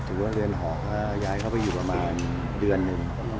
หรือว่าเรือนหอก็ย้ายเข้าไปอยู่ประมาณเดือนหนึ่ง